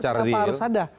karena apa harus ada